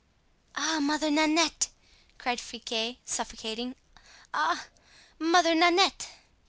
"Ah! Mother Nanette!" cried Friquet, suffocating; "ah! Mother Nanette!"